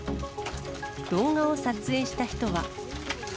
動画を撮影した人は。